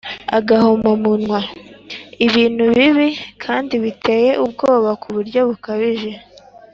agahomamunwa: ibintu bibi kandi biteye ubwoba ku buryo bukabije